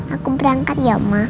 aku berangkat ya oma